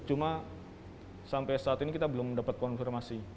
cuma sampai saat ini kita belum dapat konfirmasi